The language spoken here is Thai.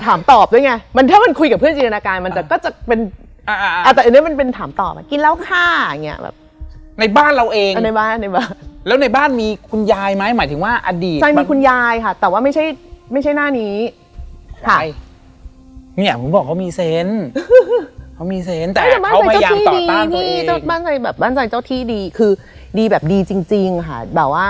แต่ทุกครั้งมันมีปัญหาเสมอเช่นเสียงดับ